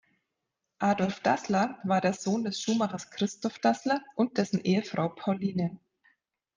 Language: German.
Adolf Dassler war der Sohn des Schuhmachers Christoph Dassler und dessen Ehefrau Pauline.